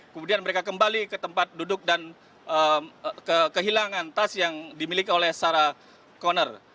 kemudian mereka kembali ke tempat duduk dan kehilangan tas yang dimiliki oleh sarah conner